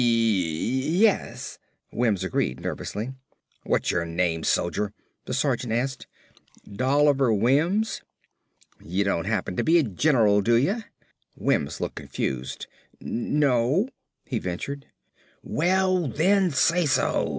"Y yes," Wims agreed nervously. "What's your name, soldier?" the sergeant asked. "Dolliver Wims." "You don't happen to be a gen'ral do ya?" Wims looked confused. "No," he ventured. "Well then say so!"